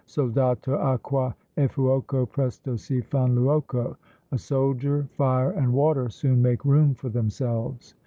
Soldato, acqua, e fuoco, presto si fan luoco: "A soldier, fire, and water soon make room for themselves."